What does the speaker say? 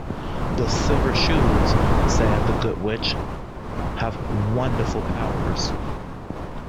"The Silver Shoes," said the Good Witch, "have wonderful powers".